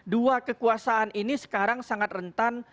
dua kekuasaan ini sekarang sangat rentan